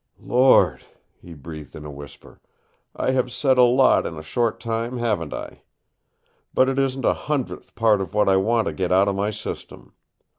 "Lord!" he breathed in a whisper. "I have said a lot in a short time, haven't I? But it isn't a hundredth part of what I want to get out of my system.